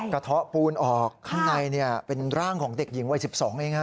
เทาะปูนออกข้างในเป็นร่างของเด็กหญิงวัย๑๒เอง